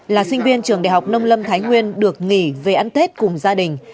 là sinh viên trường đại học nông lâm thái nguyên được nghỉ về ăn tết cùng gia đình